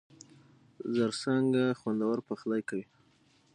زرڅانگه! خوندور پخلی کوي.